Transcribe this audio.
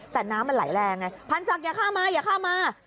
แต่น้ำมันไหลแรงไงพันธศักดิ์ข้ามมาอย่าข้ามมา